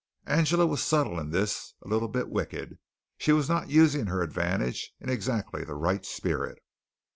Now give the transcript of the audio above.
Angela was subtle in this, a little bit wicked. She was not using her advantage in exactly the right spirit.